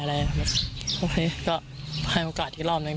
แล้วซึ่งก็ให้โอกาสทีลองนิ่ง